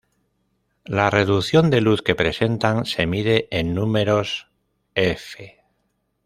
La reducción de luz que presentan se mide en números "f".